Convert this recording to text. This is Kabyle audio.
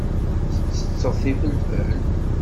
Tettetteḍ ifelfel?